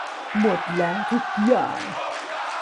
หมดแล้วทุกอย่าง